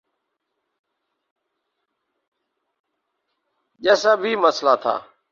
جیسا بھی مسئلہ تھا۔